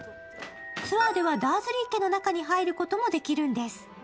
ツアーではダーズリー家にも入ることができるんです。